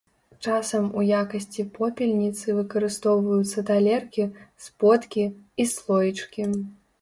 Часам у якасці попельніцы выкарыстоўваюцца талеркі, сподкі і слоічкі.